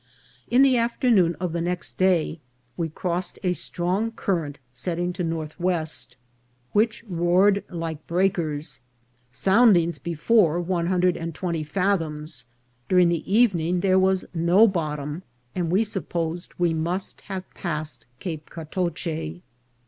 In the afternoon of the next day we crossed a strong current setting to northwest, which roared like break ers ; soundings before one hundred and twenty fathoms j during the evening there was no bottom, and we sup posed we must have passed Cape Catoche.